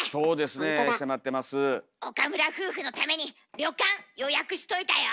岡村夫婦のために旅館予約しといたよ。